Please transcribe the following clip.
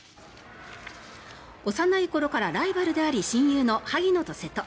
幼い頃からライバルであり親友の萩野と瀬戸。